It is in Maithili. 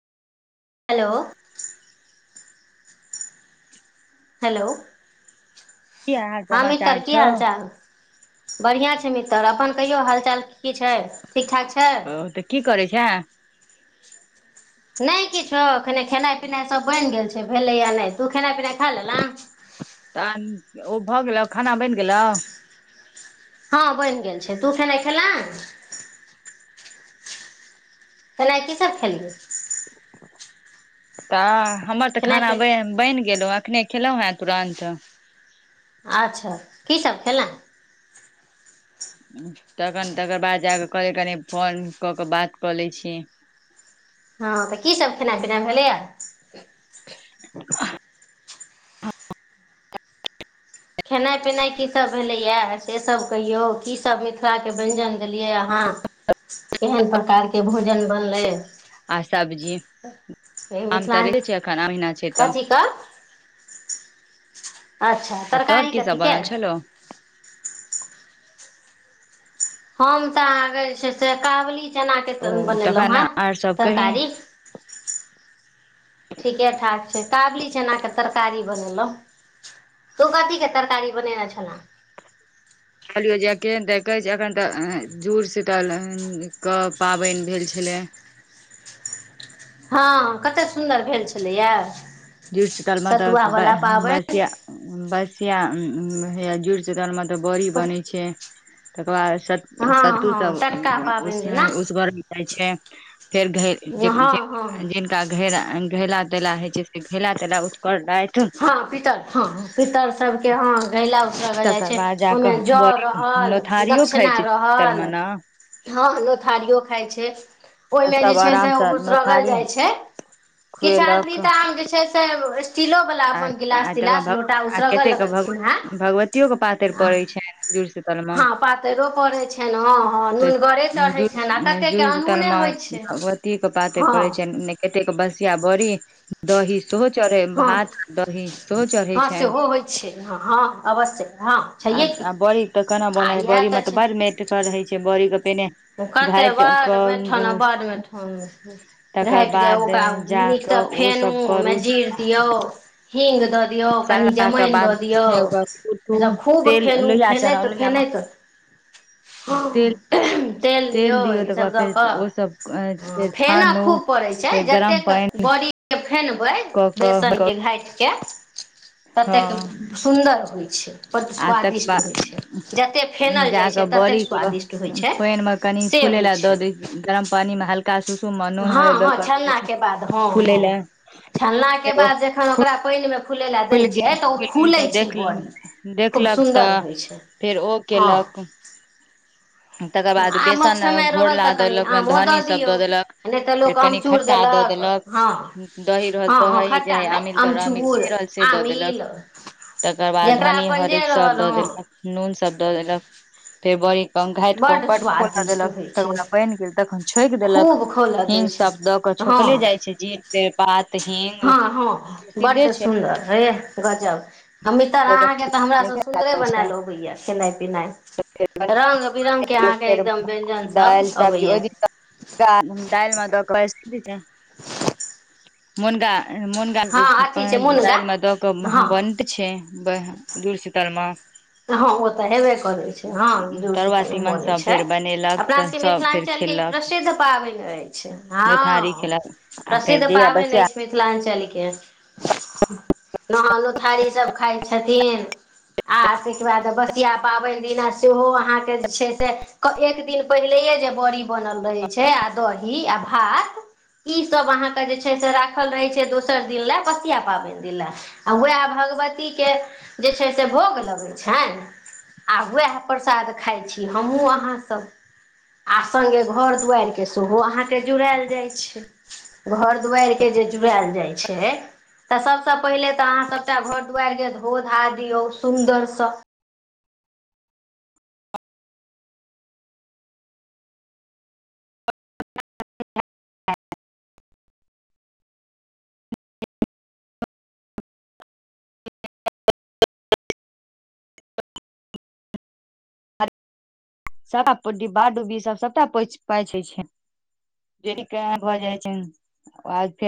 हेलो। हेलो। की हाल हम मितर समाचार की छौ हालचाल। बढ़ियाँ छैय मितर अपन कहियो हाल चाल की छैय, ठीक-ठाक छैय। ओ त की करै छै। नय किछो कनि खेनाइ पिनाइ सभ बइन गेल छैय भेलैए नै तू खेनाइ पिनाइ खा लेलेँ। तहन ओ भ गेलौ खाना बइन गेलौ। हँ बइन गेल छैय तू खेनाइ खेलैँ। खेनाय की सब खेलियै। त हमर त खेनाइ खाना पि बइन गेलौ, अखने खेलौ हेँ तुरन्त अच्छा की सब खेलहुँ? तखन तकर बाद जा कऽ कहलौं कनि फोन कऽ के बात कऽ लय छी। हँ तऽ की सब खेनाय-पीनाय भेलय यऽ? [unintelligible] खेनाइ-पिनाइ की सब भेलैए, से सब कहियौ, की सब मिथिलाके व्यञ्जन देलियै अहाँ केहन प्रकारके भोजन बनलै। आ सब्जी [unintelligible] ऐहि आम तऽ मिथिलां रहे छै एखन आम महिना छै तऽ कथीके? अच्छा आ तोहर तरकारी की सब कथीके? बनल छलौ हम तऽ आहाँक जे छै से कावुली चना के त ओ बनेलहुॅं तखन हें आर सब कही तरकारी [unintelligible] ठीके-ठाक छै। ‌ काबुली चनाके तरकारी बनेलहुँ। तुं कथी के तरकारी बनेने छला? कहलियौ जेके अ देखै छ अखन तऽ जुड़-शीतल के पाबनि भेल छलै। हँ कतेक सुन्दर भेल छलैया। जुड़-शीतल मे तऽ ब बसिया पाबनि बसिया, हा जुड़-शीतल मे तऽ बड़ी बनै छै। तकर बाद सत हँ सत्तू हँ सब टटका उ पाबनि दिना उस घर छै फेर घ जिन हँ हँ जिन जिनका घ घैला तैला होइ छै। घैला-तैला उसगर जायत। हँ पितर, हाँ पितर सब के हाँ घैला जाइ तकर छै, बाद जाकऽ ओहिमे जौ बड़ी रहल, नोथारियो खाइ दक्षिणा छै जुड़शीतल रहल। मे ने हँ लोथारियो खाय छै। तऽ ओहिमे जे सब छै आराम से ओ उसरगल नोथारी जाय छै, किछु आदमी खुएलक तऽ आम जे छै‌ से तऽ स्टीलो वाला आय अपन त गिलास आय तकर बाद तिलास भ लोटा आ उसरगऽ कतेक के भ लगलखिन हेँ भगवतियो के पातरि पड़ैत छनि जूड़-शीतल हँ पातैरियो पढ़ैत छनि, हँ हँ तऽ नुनगरे जुड़ चढ़ैत छनि, आ कतेकके जुड़ शीतल अनूने मे होइत छै। के भगवती पातेर हँ पड़ै छै नीक एतेक बसिया बड़ी दही सेहो चढ़य, हँ भात दही सेहो चढ़ै हँ छनि। सेहो होइ छै, हँ हँ अवश्य। हँ छैहे की आ बड़ी तऽ केना आ बनय छै, इएह बड़ी मे तऽ छै बड़ मेट कर रहै छै बड़ीके पहिने ओ कते घाइट बड़ कऽ मेठन कऽ आ बड़ मेठन तकर घाटि कऽ बाद ओकरा जाक नीकसँ ओ फेनू सब ओहिमे करू, जीर दियौ हींग दऽ दियौ कनि सानला कऽ [unintelligible] जमाइन दऽ दियौ बाद उ तो ईसभ खूब तेल फेनू लोहिआ चाढाउ, फेनैत लोहिया मऽ फेनैत [unintelligible] तेल तेल दियौ ई तकर सब बाद दऽ फेर ओ सब कऽ फेर फेना छानू खूब पड़य छै, फेर गरम जतेक पानि बड़ी के फेनबै, कऽ कऽ बेसनके घाठिकऽ ततेक हँ सुन्दर होइ छै। बड आ तकर स्वादिष्ट बाद होइ छै। जतेक फेनल जाइ जाकऽ छै बड़ी ततेक के स्वादिष्ट होइ छै। पानि कनि से फूलय होइ ला दऽ छै दियौ, गरम पानी मे हल्का सुसुम मे नून हँ हरेद दऽ कऽ फूले लए छललाके फेर ओ बाद जेखन ओकरा पानिमे फुलय ला दै फूलि छै गेल तऽ ओ फूलि गेल तऽ फूलय छै देख बड़ी खूब देखलक तऽ सुन्दर होइ छै। फेर ओ हँ केलक। तकर बाद आमक बेसन समय रहल घोरला तऽ दऽ कनि देलक, ओहिमे आमो धनी सब दियौ दऽ देलक, नहि तऽ फेर लोक कनि आमचूर खट्टा दऽ देलक हँ देलक दही रहल हँ हँ दही जे खट्टा हइ मे अमील दर अमिल अमचूर जे रहल से दऽ आमिल देलक। तकर बाद जकरा धनी अपन जे हरैद सभ रहल दऽ हँ देलक, नून सभ दऽ देलक, फेर बड़ी घाइठ के बड्ड बड खोलबै स्वादिष्ट देलक, होइ तकर छै बाद बनि गेल तखन छौंक देलक, खूब खौलऽ दै हिंग छै सब दऽ ओकरा छौंकले हँ जाइ छै, जीर, तेज पात, हिंग, हँ हँ प्रसिद्धे बड्ड छै। आ मितर अहाँ के ते हमरा सॅं नीके सुन्दरे लागै छै बनायल अबय ये, खेनाई-पिनाय, फेर रंग बीरंग के बनेलक, अहाँके एकदन व्यंजन सब अबय यऽ। मूनगा दाइल में दऽ के सीझबै मुनगा- मुनगा दालि हँ अथी छै मुनगा में दऽ कऽ हँ बनते छै। ब जुड़सीतल में। हँ ओ तऽ हेबे करै छै, हँ जुड़- तरुआ सीतल में तीमन बनै सब छै। फेर बनेलक अपना तऽ सबके सब फेर मिथिलाञ्चल के ई खेलक प्रसिद्ध पाबनि अछि, दुथारी हँ खेलक आ फेर प्रसिद्ध जहिया पाबनि बसिया अइछ। मिथिलाञ्चलके। नह लोथारी सब खााय छथिन, आ ताएके बाद बसिआ पाबनि दिना सेहो अहाँके जे छै, से एक दिन पहिलेे जे बड़ी बनल रहे छै, आ दही आ भात ई सब अहाँके जे छै से राखल रहै छै, दोसर दिन लए बसिया पाबनि दीन लए। आ उएह भगवती के जे छै से भोग लेगै छैन, आ उएह प्रसाद खाइ छी हमहुूँ अहाँसब। आ सङ्गे घर दुआारिक के सेहो अहाँके जुड़ायल जाइत छै। घर दुआरि केँ जे जुड़ायल जाइ छै तऽ सभसँ पहिनेे तऽ अहाँ सभटा घर दुआरिके धो- धा दियौ सुन्दरसँ। सबटा डिब्बा- डुब्बी सब सबटा पोछ पाइछ होइ छै। [unintelligible]